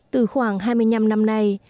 từ khoảng hai mươi năm năm nay